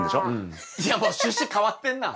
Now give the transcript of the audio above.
いやもう趣旨変わってんな。